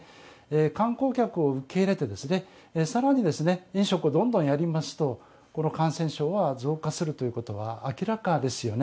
観光客を受け入れて更に飲食をどんどんやりますとこの感染症は増加するということは明らかですよね。